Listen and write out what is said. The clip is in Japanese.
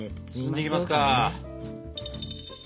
包んでいきますか？